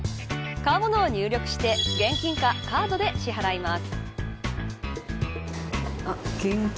買うものを入力して現金かカードで支払います。